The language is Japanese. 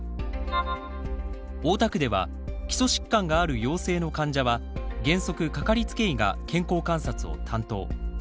大田区では基礎疾患がある陽性の患者は原則かかりつけ医が健康観察を担当。